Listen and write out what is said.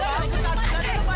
kamu diri apa